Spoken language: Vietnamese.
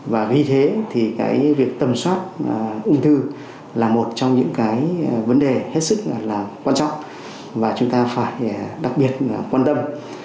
và vì thế thì việc tầm soát ung thư là một trong những vấn đề hết sức quan trọng và chúng ta phải đặc biệt quan tâm